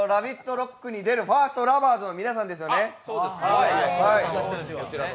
ＲＯＣＫに出るファーストラバーズの皆さんですね。